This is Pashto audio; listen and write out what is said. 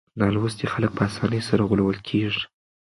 نالوستي خلک په اسانۍ سره غولول کېږي.